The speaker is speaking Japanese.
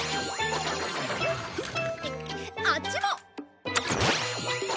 あっちも！